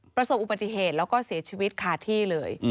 ประสบอุบัติเหตุแล้วก็เสียชีวิตคาที่เลย